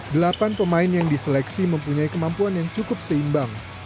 delapan pemain yang diseleksi mempunyai kemampuan yang cukup seimbang